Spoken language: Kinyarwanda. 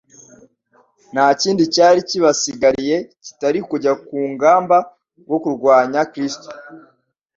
nta kindi cyari kibasigariye kitari kujya ku mgamba rwo kurwanya Kristo.